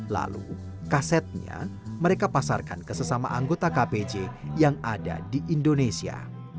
lalu kasetnya mereka pasarkan ke sesama anggota kpj yang ada di indonesia